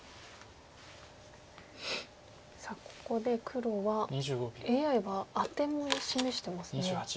ここで黒はＡＩはアテも示してますね。